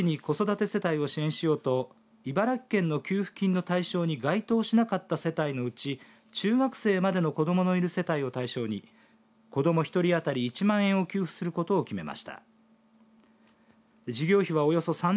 こうした中、常陸大宮市は独自に子育て支援をしようと茨城県の給付金の対象に該当しなかった世帯のうち中学生までの子どものいる世帯を対象に子ども１人当たり１万円を給付することを決めました。